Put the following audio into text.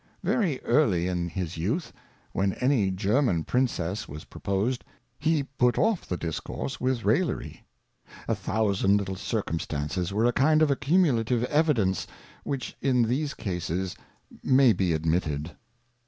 Very early in his Youth, when any German Princess was proposed, he put off the discourse with Rallery. A thousand little Circumstances were a kind of accumulative Evidence, which in these Cases may be admitted.